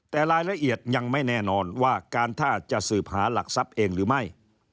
แต่รายละเอียดยังไม่แน่นอนว่าการท่าจะสืบหาหลักทรัพย์เองหรือไม่